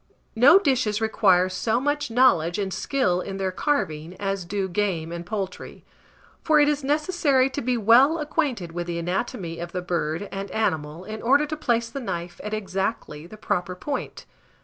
No dishes require so much knowledge and skill in their carving as do game and poultry; for it is necessary to be well acquainted with the anatomy of the bird and animal in order to place the knife at exactly the proper point.